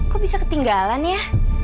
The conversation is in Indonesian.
kok bisa ketinggalan ya